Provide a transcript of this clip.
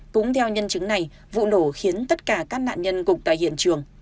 cũng theo nhân chứng này vụ nổ khiến tất cả các nạn nhân gục tại hiện trường